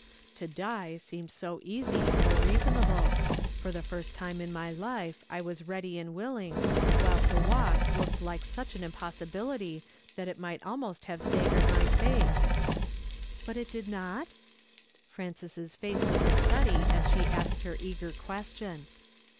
To die seemed so easy, so reasonable; for the first time in my life, I was ready and willing, while to walk looked like such an impossibility that it might almost have staggered my faith." " But it did not? " Frances's face was a study as she asked her eager question.